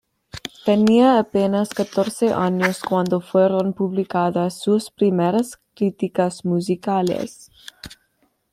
Tenía apenas catorce años cuando fueron publicadas sus primeras críticas musicales.